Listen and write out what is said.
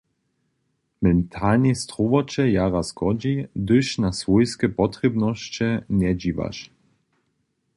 Mentalnej strowoće jara škodźi, hdyž na swójske potrěbnosće njedźiwaš.